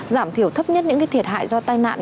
giảm thiểu thấp nhất những thiệt hại do tai nạn